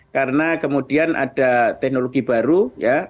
karena kemudian ada teknologi baru ya